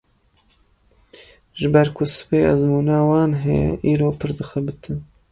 Ji ber ku sibê ezmûna wan heye, îro pir dixebitin.